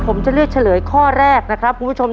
ผมจะเลือกเฉลยข้อแรกนะครับคุณผู้ชม